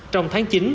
trong tháng chín